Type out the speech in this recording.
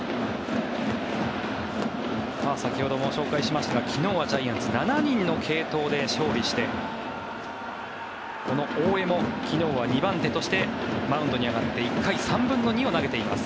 先ほども紹介しましたが昨日はジャイアンツ７人の継投で勝利してこの大江も昨日は２番手としてマウンドに上がって１回３分の２を投げています。